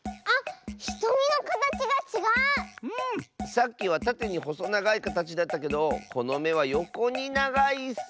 さっきはたてにほそながいかたちだったけどこのめはよこにながいッス！